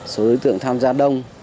số đối tượng tham gia đông